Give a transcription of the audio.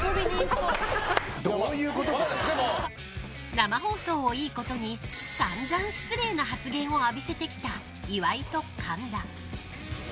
生放送をいいことに散々失礼な発言を浴びせてきた岩井と神田。